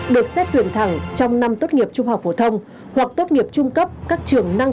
được xét tuyển thẳng trong năm tốt nghiệp trung học phổ thông hoặc tốt nghiệp trung cấp các trường năng